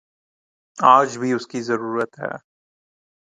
آج بھی اس کی ضرورت ہے۔